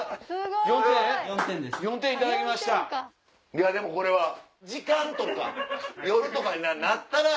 いやでもこれは時間とか夜とかになったら。